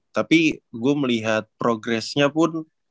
tapi gue melihat progresnya pun